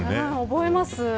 覚えます。